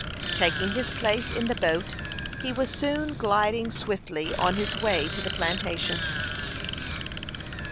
Taking his place in the boat, he was soon gliding swiftly on his way to the plantation.